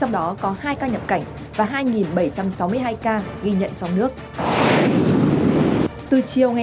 từ chiều ngày hai mươi ba tháng bảy đến sáu h ngày hai mươi bảy tháng bảy tổng số liều vaccine đã được tiêm trong ngày